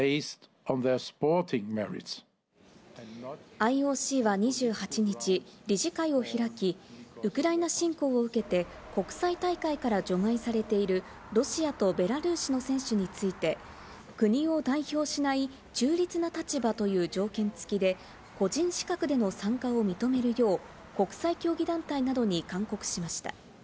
ＩＯＣは２８日、理事会を開き、ウクライナ侵攻を受けて国際大会から除外されてるロシアとベラルーシの選手について、国を代表しない中立な立場という条件付きで個人資格での参加を認めるよう国際競技団体などに勧告しました。